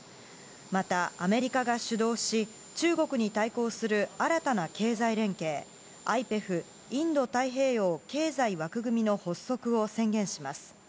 また、アメリカが主導し、中国に対抗する新たな経済連携、ＩＰＥＦ・インド太平洋経済枠組みの発足を宣言します。